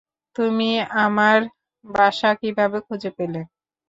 তুমি আমার বাসা কিভাবে খুঁজে পেলে?